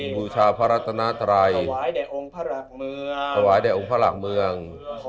บูชาพระรัตนาตรัยขวายได้องค์พระรักษ์เมือง